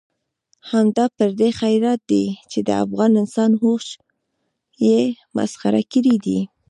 همدا پردی خیرات دی چې د افغان انسان هوش یې مسخره کړی دی.